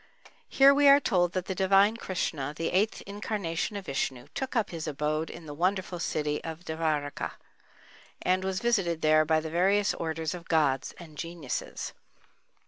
Here we are told that the divine Krishna, the eighth incarnation of Vishnu, took up his abode in the wonderful city Devârakâ, and was visited there by the various orders of gods and geniuses.